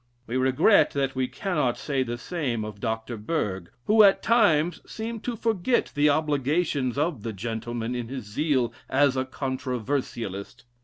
We regret that we cannot say the same of Dr. Berg, who at times seemed to forget the obligations of the gentleman in his zeal as a controversialist.